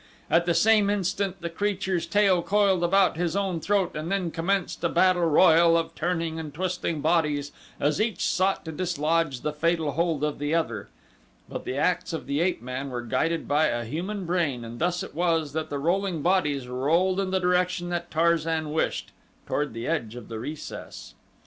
At the same instant the creature's tail coiled about his own throat and then commenced a battle royal of turning and twisting bodies as each sought to dislodge the fatal hold of the other, but the acts of the ape man were guided by a human brain and thus it was that the rolling bodies rolled in the direction that Tarzan wished toward the edge of the recess.